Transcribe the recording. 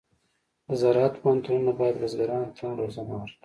د زراعت پوهنتونونه باید بزګرانو ته هم روزنه ورکړي.